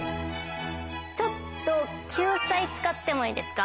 ちょっと救済使ってもいいですか？